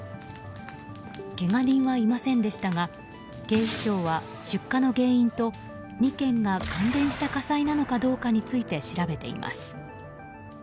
けが人はいませんでしたが警視庁は出火の原因と２件が関連した火災なのかどうかについて調べています。